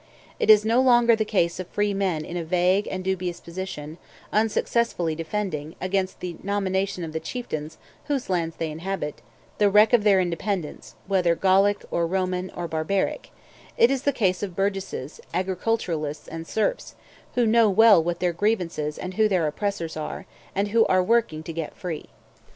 It is no longer the case of free men in a vague and dubious position, unsuccessfully defending, against the nomination of the chieftains whose lands they inhabit, the wreck of their independence, whether Gallic, or Roman, or barbaric; it is the case of burgesses, agriculturists, and serfs, who know well what their grievances and who their oppressors are, and who are working to get free.